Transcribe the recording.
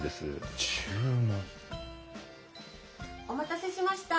・お待たせしました。